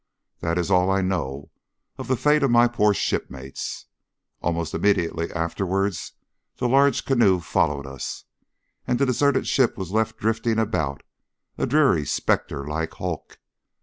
That is all I know of the fate of my poor shipmates. Almost immediately afterwards the large canoe followed us, and the deserted ship was left drifting about a dreary, spectre like hulk.